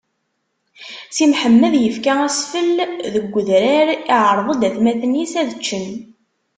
Si Mḥemmed ifka asfel deg udrar, iɛreḍ-d atmaten-is ad ččen.